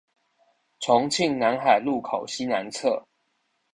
重慶南海路口西南側